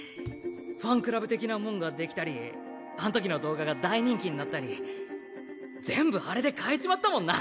ファンクラブ的なもんが出来たりあんときの動画が大人気になったり全部あれで変えちまったもんな。